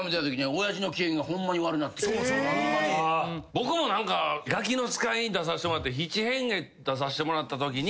僕も何か『ガキの使い』に出させてもらって「七変化」出させてもらったとき。